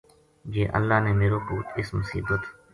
جے اللہ نے میرو پُوت اس مصیبت